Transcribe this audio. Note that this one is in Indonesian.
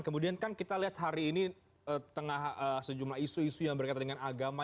kemudian kan kita lihat hari ini tengah sejumlah isu isu yang berkaitan dengan agama